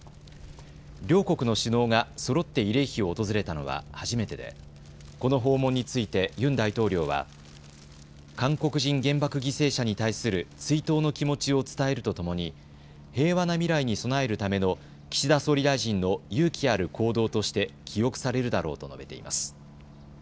両国の首脳がそろって慰霊碑を訪れたのは初めてでこの訪問についてユン大統領は韓国人原爆犠牲者に対する追悼の気持ちを伝えるとともに平和な未来に備えるための岸田総理大臣の勇気ある行動として記憶されるだろうと述べています。